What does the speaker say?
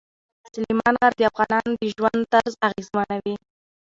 سلیمان غر د افغانانو د ژوند طرز اغېزمنوي.